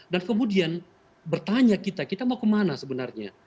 dan kemudian bertanya kita kita mau ke mana sebenarnya